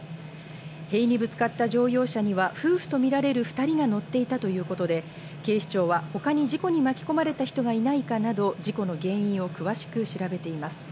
塀にぶつかった乗用車には夫婦とみられる２人が乗っていたということで、警視庁は他に事故に巻き込まれた人がいないかなど事故の原因を詳しく調べています。